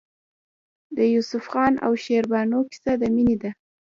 د یوسف خان او شیربانو کیسه د مینې ده.